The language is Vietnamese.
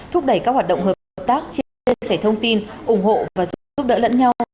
thúc đẩy các hoạt động hợp tác chia sẻ thông tin ủng hộ và giúp đỡ lẫn nhau